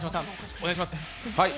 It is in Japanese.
お願いします。